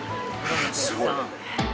すごい。